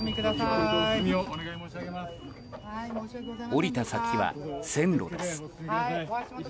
降りた先は線路です。